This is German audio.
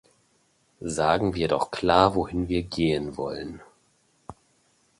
Sagen wir doch klar, wohin wir gehen wollen.